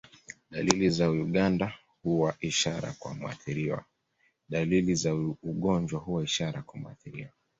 Dalili za ugonjwa huwa ishara kwa muathiriwa